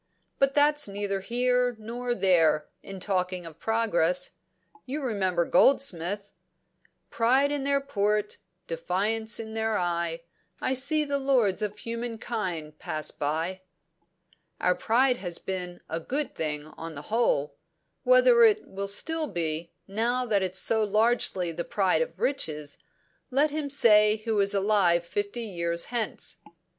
But that's neither here nor there, in talking of progress. You remember Goldsmith 'Pride in their port, defiance in their eye, I see the lords of human kind pass by.' "Our pride has been a good thing, on the whole. Whether it will still be, now that it's so largely the pride of riches, let him say who is alive fifty years hence."